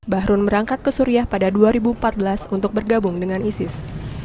bahrun berangkat ke suriah pada dua ribu empat belas untuk bergabung dengan isis